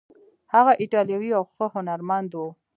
هغه ایټالوی و او ښه هنرمند و.